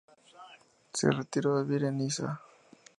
Se retiró a vivir a Niza.